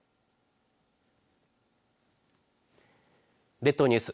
列島ニュース